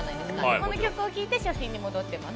この曲を聴いて初心に戻ってます。